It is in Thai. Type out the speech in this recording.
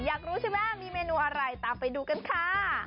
อยากรู้ใช่ไหมมีเมนูอะไรตามไปดูกันค่ะ